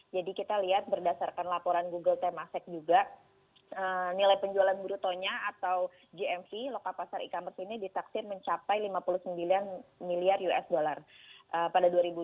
jadi kita lihat berdasarkan laporan google temasek juga nilai penjualan brutonya atau gmv lokal pasar e commerce ini ditaksir mencapai lima puluh sembilan miliar usd pada dua ribu dua puluh dua